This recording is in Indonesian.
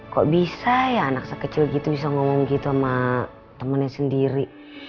kok bisa ya anak sekecil gitu bisa ngomong gitu sama temennya sendiri